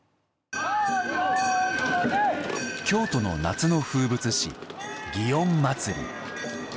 京都の夏の風物詩、祇園祭。